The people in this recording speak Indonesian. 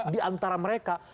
di antara mereka